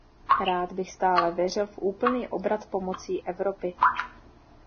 Rád bych stále věřil v úplný obrat pomocí Evropy.